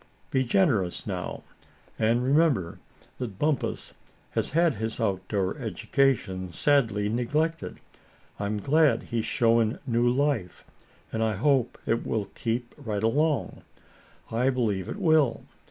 "Be generous now, and remember that Bumpus has had his outdoor education sadly neglected. I'm glad he's showing new life, and I hope it will keep right along. I believe it will.